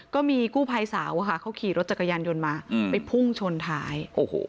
ก็มีกู้ภัยสาวอะค่ะเขาขี่รถจักรยานยนต์มาไปพุ่งชนท้ายโอ้โห